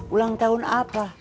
ulang tahun apa